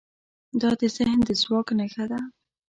دا د ذهن د ځواک نښه ده.